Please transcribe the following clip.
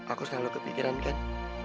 aku selalu kepikiran ken